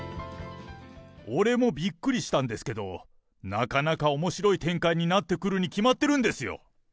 俺もびっくりしたんですけど、なかなかおもしろい展開になってくるに決まってるんですよ。